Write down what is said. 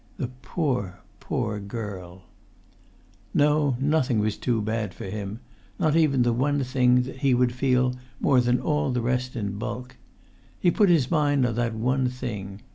The poor, poor girl ... No; nothing was too bad for him—not even the one thing that he would feel more than all the rest in bulk. He put his mind on that one thing.